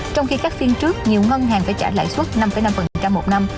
trong khi các phiên trước nhiều ngân hàng phải trả lãi suất năm năm một năm